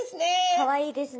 かわいいですね。